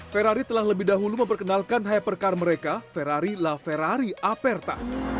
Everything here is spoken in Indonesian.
ferrari telah lebih dahulu memperkenalkan hypercar mereka ferrari la ferrari aperta